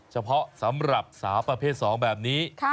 เฉพาะสำหรับสาวประเภทสองแบบนี้